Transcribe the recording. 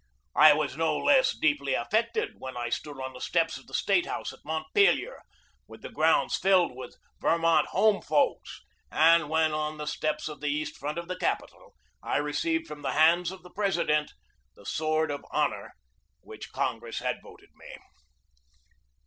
I was no less deeply affected when I stood on the steps of the State House at Montpelier with the grounds filled with Vermont "home folks," and when, on the steps of the east front of the Capitol, I received from the hands of the President the sword of honor which Congress had voted me.